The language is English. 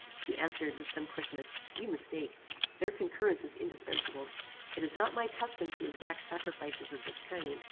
He answered, with some quickness, "You mistake. Their concurrence is indispensable. It is not my custom to exact sacrifices of this kind.